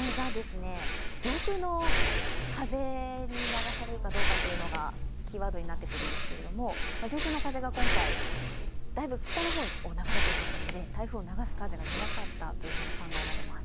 上空の風に流されるかどうかというのがキーワードになってくるんですけれども上空の風が今回、だいぶ北の方を流れていますので台風を流す風が弱かったと考えられます。